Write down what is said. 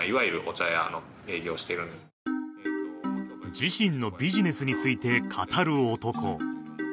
自身のビジネスについて語る男。